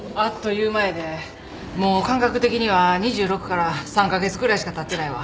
もう感覚的には２６から３カ月くらいしかたってないわ。